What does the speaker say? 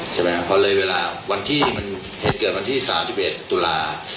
ใช่ไหมครับพอเลยเวลาวันที่มันเหตุเกิดวันที่๓๑ตุลา